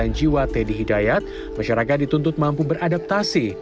dan jiwa teddy hidayat masyarakat dituntut mampu beradaptasi